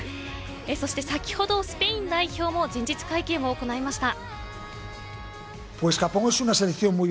そして先ほど、スペイン代表も前日会見を行いました。